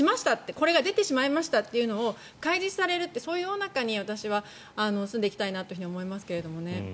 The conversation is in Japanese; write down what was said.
これが出てしまいましたというのが開示される世の中に私は住んでいきたいなと思いますけどね。